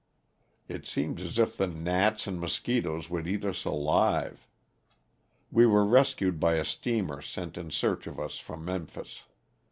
It seemed as if the gnats and mosquitoes would eat us alive. We were rescued by a steamer sent in search of us from Memphis.